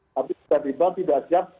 tapi tiba tiba tidak siap